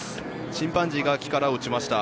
チンパンジーが木から落ちました。